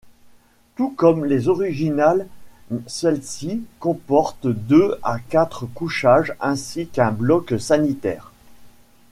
Tout comme les originales, celles-ci comportent deux à quatre couchage ainsi qu'un bloc sanitaire.